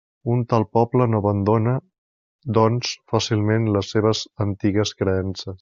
Un tal poble no abandona, doncs, fàcilment les seves antigues creences.